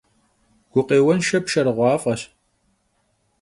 Gukhêuenşşe pşşerığuaf'eş.